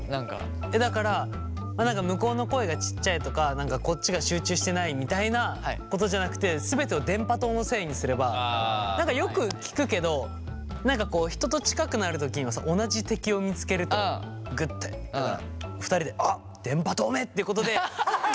だから向こうの声がちっちゃいとかこっちが集中してないみたいなことじゃなくてよく聞くけど人と近くなる時に同じ敵を見つけるとグッと２人で「あっ電波塔め」っていうことで。